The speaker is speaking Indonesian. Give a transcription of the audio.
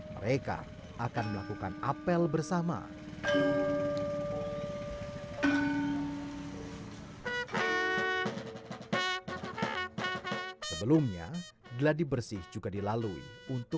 sejak kemas kota